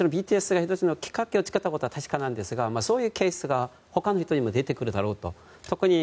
ＢＴＳが１つのきっかけを作ったことは確かなんですがそういうケースがほかの人にも出てくるだろうと。